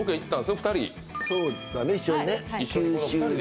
２人そうだね一緒にね